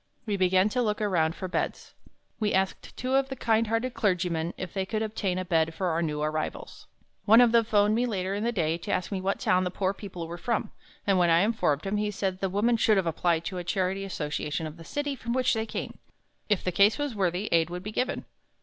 We began to look around for beds. We asked two of the kind hearted clergymen if they could obtain a bed for our new arrivals. One of them phoned me later in the day to ask me what town the poor people were from, and when I informed him, he said "The woman should have applied to the charity association of the city from which they came. If the case was worthy, aid would be given."